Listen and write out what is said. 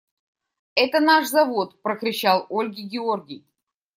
– Это наш завод! – прокричал Ольге Георгий.